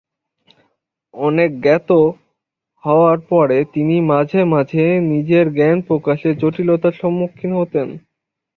অনেক জ্ঞাত হওয়ার পরেও তিনি মাঝে মাঝে নিজের জ্ঞান প্রকাশে জটিলতার সম্মুখীন হতেন।